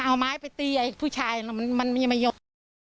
เอาไม้ไปตีไอ้ผู้ชายมันมันมีไม่ยอม